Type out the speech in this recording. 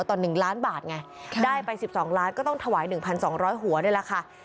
ต่อหนึ่งล้านบาทไงค่ะได้ไปสิบสองล้านก็ต้องถวายหนึ่งพันสองร้อยหัวนี่แหละค่ะ